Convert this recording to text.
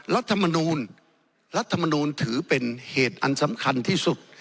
รัฐมนูลรัฐมนูลถือเป็นเหตุอันสำคัญที่สุด